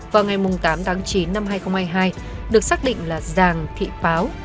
vào ngày tám tháng chín năm hai nghìn hai mươi hai được xác định là giàng thị pháo